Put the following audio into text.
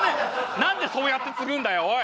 何でそうやってつぐんだよおい！